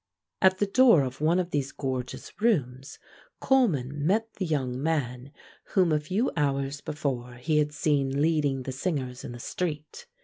At the door of one these gorgeous rooms Coleman met the young man whom a few hours before he had seen leading the singers in the street.